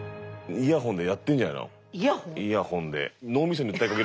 イヤホンで。